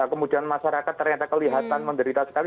kemudian masyarakat ternyata kelihatan menderita sekali